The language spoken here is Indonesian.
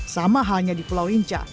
sama halnya di pulau rinca